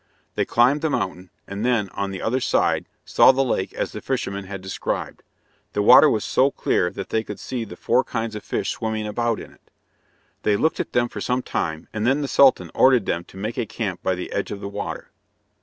They climbed the mountain, and then, on the other side, saw the lake as the fisherman had described. The water was so clear that they could see the four kinds of fish swimming about in it. They looked at them for some time, and then the Sultan ordered them to make a camp by the edge of the water.